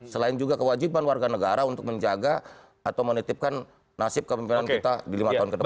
selain juga kewajiban warga negara untuk menjaga atau menitipkan nasib kepimpinan kita di lima tahun ke depan